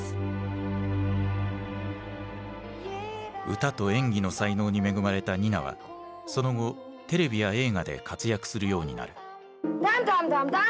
歌と演技の才能に恵まれたニナはその後テレビや映画で活躍するようになる。